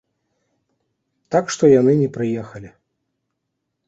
Так што яны не прыехалі.